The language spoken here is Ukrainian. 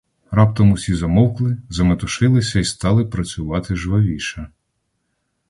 Раптом усі змовкли, заметушилися й стали працювати жвавіше.